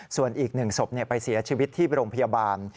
ส่วนอีก๑ศพไปเสียชีวิตที่โรงพยาบาล